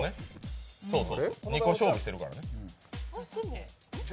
２個勝負してるからね。